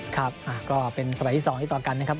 ครับก็เป็นสมัยที่๒ที่ต่อกันนะครับ